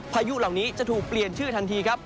พายุเหล่านี้จะถูกเปลี่ยนชื่อทันทีครับ